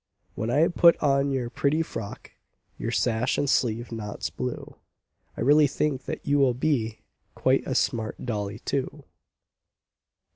When I put on your pretty frock, Your sash, and sleeve knots blue, I really think that you will be Quite a smart dolly too.